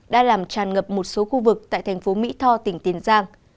đã làm tràn ngập một số khu vực tại thành phố mỹ tho tỉnh tiền giang